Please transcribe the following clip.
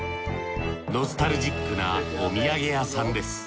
ノスタルジックなお土産屋さんです。